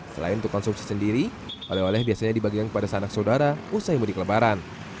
selain untuk konsumsi sendiri oleh oleh biasanya dibagikan kepada sanak saudara usai mudik lebaran